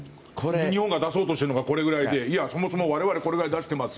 日本が出そうとしているのはこれぐらいだけどそもそも我々これぐらい出してます